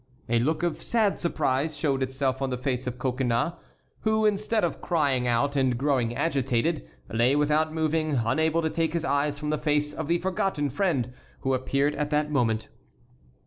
A look of sad surprise showed itself on the face of Coconnas, who, instead of crying out and growing agitated, lay without moving, unable to take his eyes from the face of the forgotten friend who appeared at that moment.